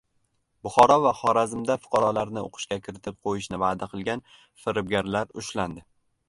Buxoro va Xorazmda fuqarolarni o‘qishga kiritib qo‘yishni va’da qilgan firibgarlar ushlandi